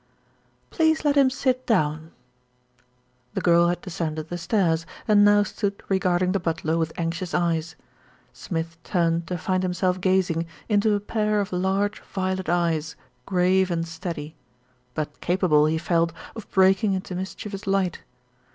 "Please let him sit down." The girl had descended the stairs, and now stood regarding the butler with anxious eyes. Smith turned to find himself gazing into a pair of large violet eyes, grave and steady; but capable, he felt, of breaking into mischievous light.